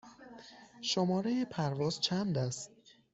شماره پرواز چند است؟